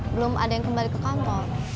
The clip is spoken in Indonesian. belum ada yang kembali ke kantor